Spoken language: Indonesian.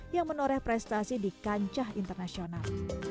yang menoreh prestasi di kancah internasional